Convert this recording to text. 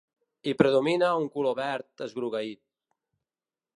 Hi predomina un color verd esgrogueït.